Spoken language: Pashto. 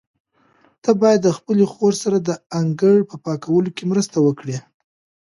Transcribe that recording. ته باید د خپلې خور سره د انګړ په پاکولو کې مرسته وکړې.